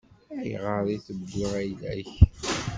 Ayɣer i tewwi ayla-k?